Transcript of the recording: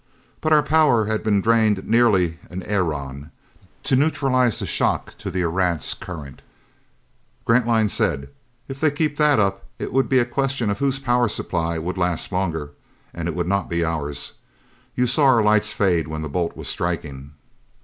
But our power had been drained nearly an aeron, to neutralize the shock to the Erentz current. Grantline said: "If they kept that up, it would be a question of whose power supply would last longer. And it would not be ours.... You saw our lights fade when the bolt was striking?"